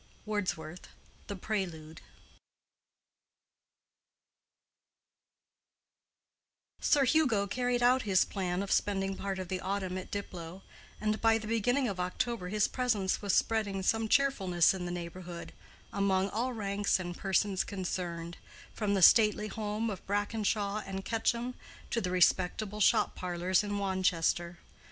—WORDSWORTH: The Prelude. Sir Hugo carried out his plan of spending part of the autumn at Diplow, and by the beginning of October his presence was spreading some cheerfulness in the neighborhood, among all ranks and persons concerned, from the stately home of Brackenshaw and Quetcham to the respectable shop parlors in Wanchester.